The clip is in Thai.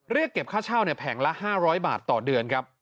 เรียกเก็บค่าเช่าแผงละ๕๐๐บาทต่อเดือนครับ